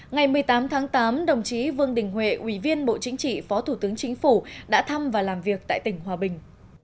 ngày một mươi tám tháng tám đồng chí vương đình huệ ủy viên bộ chính trị phó thủ tướng chính phủ đã thăm và làm việc tại tỉnh hòa bình